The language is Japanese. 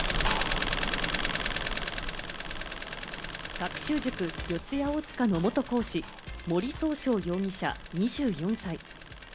学習塾・四谷大塚の元講師・森崇翔容疑者、２４歳。